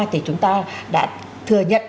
thì chúng ta đã thừa nhận